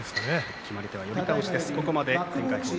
決まり手、寄り倒しです。